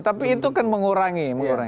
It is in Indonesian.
tapi itu kan mengurangi